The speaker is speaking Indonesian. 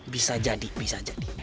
bisa jadi bisa jadi